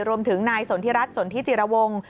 รวมถึงนายสนทิรัฐสนทิจิรวงศ์